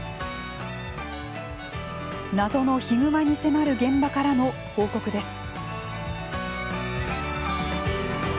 謎のヒグマに迫る現場からの報告です。